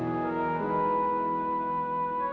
yaudah kita masuk yuk